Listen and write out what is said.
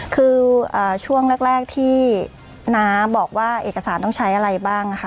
คือช่วงแรกที่น้าบอกว่าเอกสารต้องใช้อะไรบ้างค่ะ